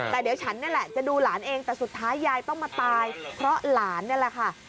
แต่เดี๋ยวฉันนี่แหละจะดูหลานเองแต่สุดท้ายยายต้องมาตายเพราะหลานนี่แหละค่ะ